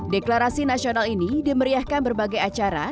deklarasi nasional ini dimeriahkan berbagai acara